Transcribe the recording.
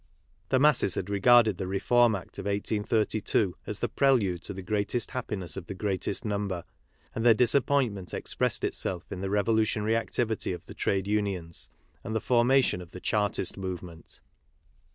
The masses had regarded the Reform Act of 1832 as the prelude to the greatest happiness of the greatest number; and their disappointment expressed itself in the revolu tionary activity of the trade unions and the formation of 6 KARL MARX the Chartist movement.